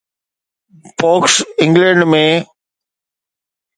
pox England ۾